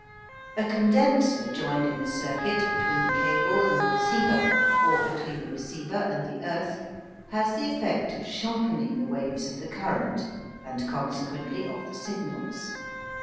A condenser joined in the circuit between the cable and the receiver, or between the receiver and the earth, has the effect of sharpening the waves of the current, and consequently of the signals.